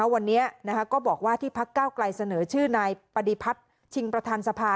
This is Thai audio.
วันนี้ก็บอกว่าที่พักเก้าไกลเสนอชื่อนายปฏิพัฒน์ชิงประธานสภา